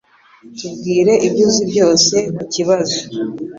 Tubwire ibyo uzi byose kukibazo